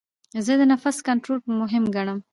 زه د نفس کنټرول مهم ګڼم.